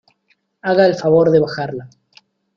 haga el favor de bajarla.